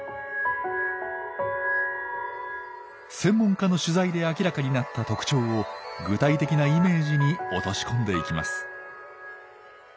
専門家の取材で明らかになった特徴を具体的なイメージに落とし込んでいきます。